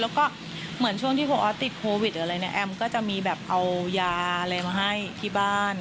แล้วก็เหมือนช่วงที่พอออสติดโควิดหรืออะไรเนี่ยแอมก็จะมีแบบเอายาอะไรมาให้ที่บ้าน